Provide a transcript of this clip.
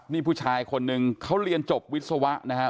นี่ผู้ชายคนหนึ่งเขาเรียนจบวิศวะนะครับ